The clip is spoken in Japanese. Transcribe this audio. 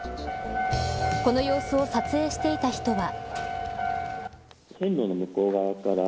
この様子を撮影していた人は。